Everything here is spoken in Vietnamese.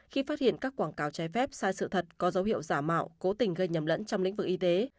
khi phát hiện các quảng cáo trái phép sai sự thật có dấu hiệu giả mạo cố tình gây nhầm lẫn trong lĩnh vực y tế